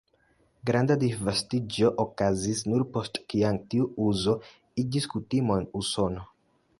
Granda disvastiĝo okazis nur post kiam tiu uzo iĝis kutimo en Usono.